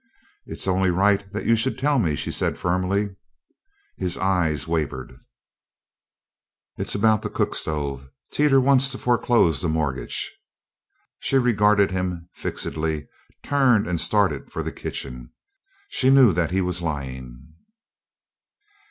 "It's only right that you should tell me," she said firmly. His eyes wavered. "It's about the cook stove; Teeters wants to foreclose the mortgage." She regarded him fixedly, turned, and started for the kitchen. She knew that he was lying.